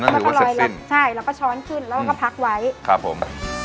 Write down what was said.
อันนั้นคือว่าเสร็จสิ้นใช่แล้วก็ช้อนขึ้นแล้วก็พักไว้ครับผม